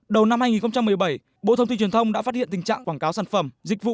đầu năm hai nghìn một mươi bảy bộ thông tin truyền thông đã phát hiện tình trạng quảng cáo sản phẩm dịch vụ